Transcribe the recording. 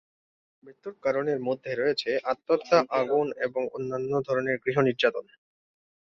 মৃত্যুর কারণের মধ্যে রয়েছে আত্মহত্যা, আগুন এবং অন্যান্য ধরণের গৃহ নির্যাতন।